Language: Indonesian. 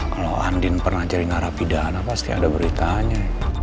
kalau andin pernah jadi narapidana pasti ada beritanya